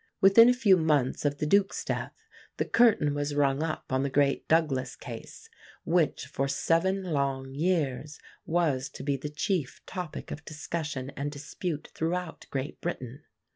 Within a few months of the Duke's death the curtain was rung up on the great Douglas Case, which for seven long years was to be the chief topic of discussion and dispute throughout Great Britain.